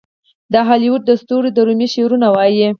د هالیووډ ستوري د رومي شعرونه وايي.